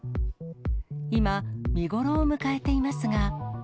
今、見頃を迎えていますが。